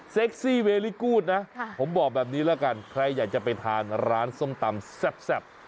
ซี่เวลิกูธนะผมบอกแบบนี้แล้วกันใครอยากจะไปทานร้านส้มตำแซ่บ